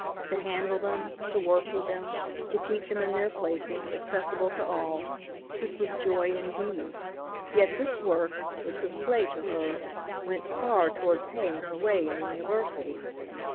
To handle them, to work with them, to keep them in their places, accessible to all, this was joy indeed. Yet this work, which was play to her, went far toward paying her way in the university.